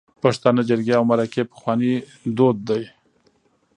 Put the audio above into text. پښتانه جرګی او مرکی پخواني دود ده